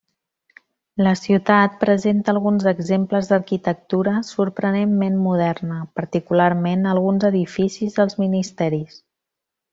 La ciutat presenta alguns exemples d'arquitectura sorprenentment moderna, particularment alguns edificis dels ministeris.